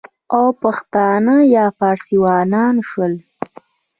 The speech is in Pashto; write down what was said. او پښتانه یا فارسیوانان شول،